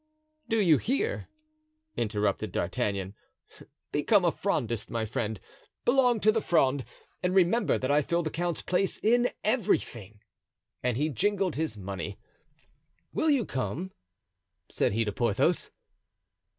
"Do you hear?" interrupted D'Artagnan; "become a Frondist, my friend, belong to the Fronde, and remember that I fill the count's place in everything;" and he jingled his money. "Will you come?" said he to Porthos.